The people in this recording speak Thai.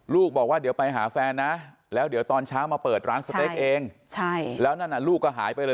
บอกว่าเดี๋ยวไปหาแฟนนะแล้วเดี๋ยวตอนเช้ามาเปิดร้านสเต็กเองแล้วนั่นน่ะลูกก็หายไปเลย